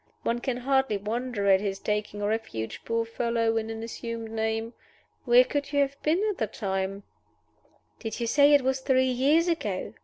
One can hardly wonder at his taking refuge, poor fellow, in an assumed name. Where could you have been at the time?" "Did you say it was three years ago?"